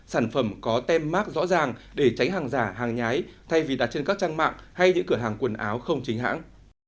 sản phẩm có tem mark rõ ràng để tránh hàng giả hàng nhái thay vì đặt trên các trang mạng hay những cửa hàng quần áo không chính hãng